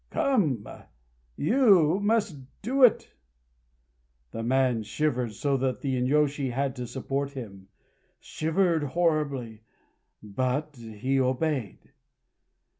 Come! you must do it!" The man shivered so that the inyôshi had to support him shivered horribly; but he obeyed.